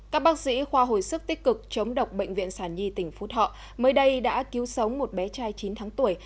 các bác sĩ khoa hồi sức tích cực chống độc bệnh viện sản nhi tỉnh phú thọ mới đây đã cứu sống một bé trai chín tháng tuổi